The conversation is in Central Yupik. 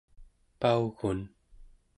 paugun